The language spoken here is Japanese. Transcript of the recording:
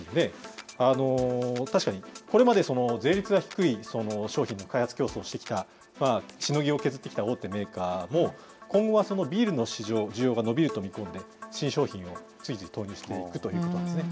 確かに、これまで税率が低い商品の開発競争をしてきた、しのぎを削ってきた大手メーカーも、今後はビールの市場、需要が伸びると見込んで、新商品を次々投入していくということですね。